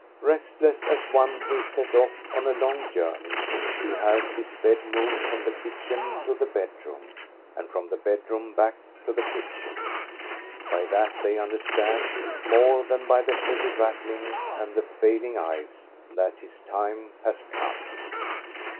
Restless as one who is to set off on a long journey, he has his bed moved from the kitchen to the bed room and from the bedroom back to the kitchen. By that they understand, more than by the heavy rattling and the failing eyes, that his time has come.